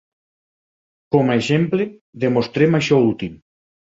Com a exemple, demostrem això últim.